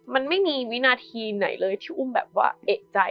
มันไม่มีวินาทีไหนเลยที่อุ้มแบบว่าเอกใจ